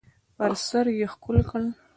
پر سر یې ښکل کړ .